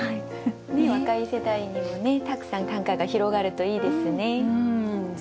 若い世代にもねたくさん短歌が広がるといいですね。